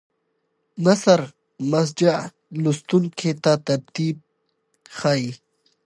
نثر مسجع لوستونکي ته ترتیب ښیي.